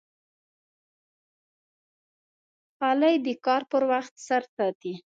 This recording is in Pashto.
خولۍ د کار پر وخت سر ساتي.